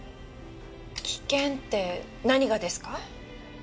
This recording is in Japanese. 危険って何がですか？